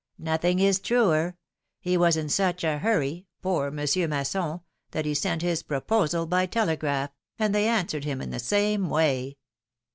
Nothing is truer. He was in such a hurry — poor Monsieur Masson — that he sent his proposal by telegraph, and they answered him in the same way.